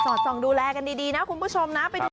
สอดส่องดูแลกันดีนะคุณผู้ชมนะ